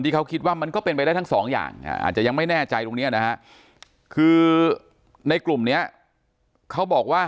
เขาคิดว่ามันก็เป็นไปได้ทั้งสองอย่างอาจจะยังไม่แน่ใจตรงนี้นะฮะคือในกลุ่มนี้เขาบอกว่า